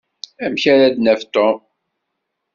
Amek ara d-naf Tom?